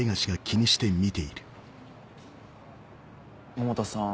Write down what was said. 百田さん。